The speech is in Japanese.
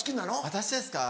私ですか？